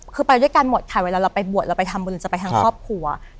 คือไปด้วยกันหมดค่ะเวลาเราไปบวชเราไปทำบุญจะไปทางครอบครัว